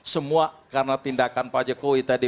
semua karena tindakan pak jokowi tadi